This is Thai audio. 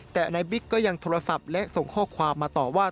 แต่นายบิ๊กก็ยังโทรศัพท์และส่งข้อความมาต่อว่า